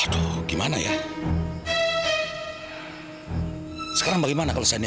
dia cukup pingsan